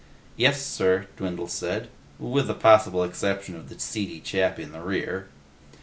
"Yes, sir," Dwindle said, "with the possible exception of the seedy chap in the rear."